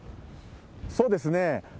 そうですね。